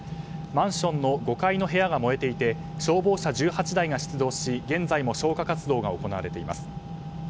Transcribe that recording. マンションの５階の部屋が燃えていて消防車１８台が出動し、現在も消火活動が行われています。